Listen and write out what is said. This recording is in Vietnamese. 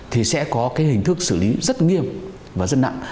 thì sẽ có cái hình thức xử lý rất nghiêm và rất nặng